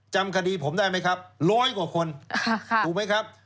จำคดีผมได้ไหมครับร้อยกว่าคนถูกไหมครับ